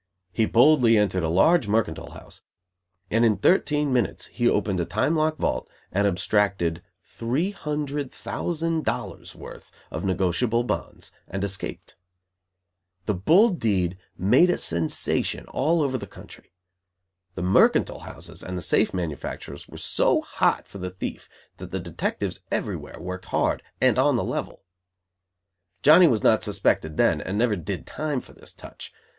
He boldly entered a large mercantile house, and, in thirteen minutes, he opened a time lock vault, and abstracted three hundred thousand dollars worth of negotiable bonds and escaped. The bold deed made a sensation all over the country. The mercantile house and the safe manufacturers were so hot for the thief that the detectives everywhere worked hard and "on the level". Johnny was not suspected then, and never "did time" for this touch.